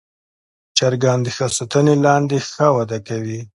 چرګان د ښه ساتنې لاندې ښه وده کوي.